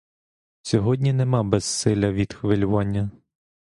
Сьогодні нема безсилля від хвилювання.